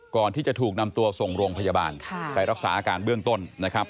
ก่อนที่จะถูกนำตัวส่งโรงพยาบาลไปรักษาอาการเบื้องต้นนะครับ